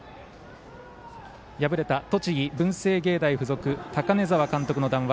敗れた栃木、文星芸大付属高根澤監督の談話